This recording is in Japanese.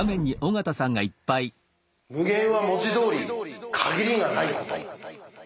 「無限」は文字どおり「限りがない」こと。